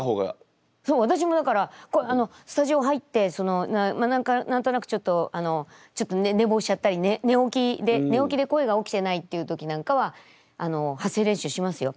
そう私もだからスタジオ入って何となくちょっとちょっと寝坊しちゃったり寝起きで声が起きてないっていう時なんかは発声練習しますよ。